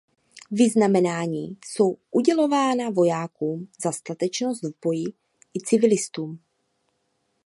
Vyznamenání jsou udělována vojákům za statečnost v boji i civilistům.